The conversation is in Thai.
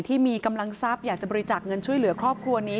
ที่มีกำลังทรัพย์อยากจะบริจาคเงินช่วยเหลือครอบครัวนี้